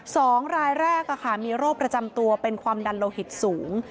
สองรายแรกมีโรคประจำตัวเป็นความดันโลหิตสูง